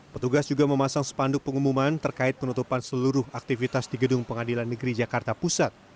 petugas juga memasang spanduk pengumuman terkait penutupan seluruh aktivitas di gedung pengadilan negeri jakarta pusat